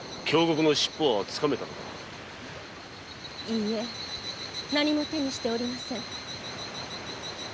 いいえ何も手にしておりませぬ。